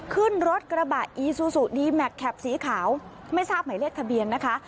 ขึ้นรถกระบะอีซูซูดีแมคแคปสีขาวไม่ทราบหมายเลขทะเบียนนะคะ